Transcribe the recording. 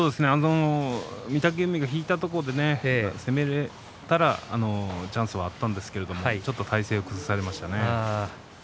御嶽海が引いたところを攻められればチャンスがあったと思うんですがちょっと体勢が崩れましたね。